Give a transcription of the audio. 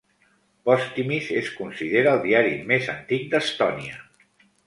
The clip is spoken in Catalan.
"Postimees" es considera el diari més antic d'Estònia.